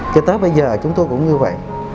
cho tới bây giờ chúng tôi cũng như vậy